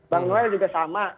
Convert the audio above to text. bang noelle juga sama